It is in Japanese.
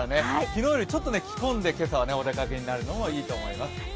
昨日よりちょっと着込んで今朝はお出かけになるのもいいと思います。